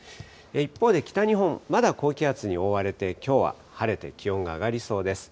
一方で北日本、まだ高気圧に覆われて、きょうは晴れて気温が上がりそうです。